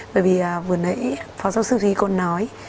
bởi vì vừa nãy phó giáo sư thùy côn nói